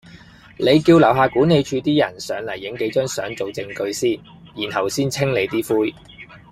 你叫樓下管理處啲人上嚟影幾張相做証據先，然後先清理啲灰